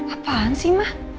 apaan sih ma